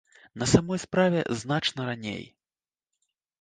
На самой справе значна раней.